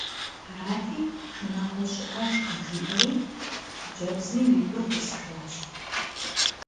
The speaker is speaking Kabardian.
Арати, шынагъуэ щыӏэжкъым жиӏэри, хъыджэбзми и гур тӏысыжащ.